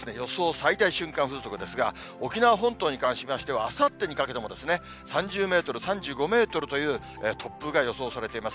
最大瞬間風速ですが、沖縄本島に関しましては、あさってにかけても３０メートル、３５メートルという突風が予想されています。